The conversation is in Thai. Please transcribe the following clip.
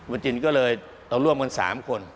คุณมจินก็เลยต้องร่วมกัน๓คน